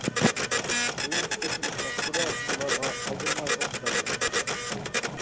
كېيىن پىكىر ئېلىش مەقسىتىدە ئۇلارغا ئالدىرىماي ئوقۇپ بەردىم.